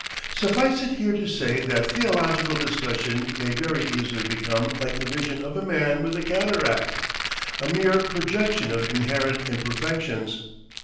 Suffice it here to say that theological discussion may very easily become like the vision of a man with cataract, a mere projection of inherent imperfections.